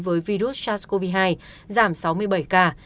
với virus sars cov hai giảm sáu mươi bảy ca